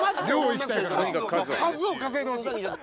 数を稼いでほしい。